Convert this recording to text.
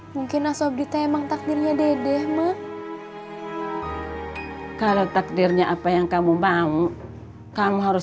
mungkin nasobrita emang takdirnya dede mah kalau takdirnya apa yang kamu mau kamu harus